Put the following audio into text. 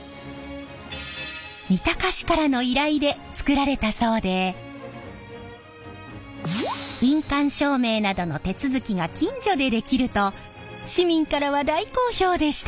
三鷹市からの依頼で作られたそうで印鑑証明などの手続きが近所でできると市民からは大好評でした！